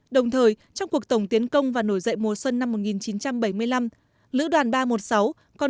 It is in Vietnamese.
đồng thời trong cuộc tổng tiến công và nổi dậy mùa xuân năm một nghìn chín trăm bảy mươi năm lữ đoàn ba trăm một mươi sáu còn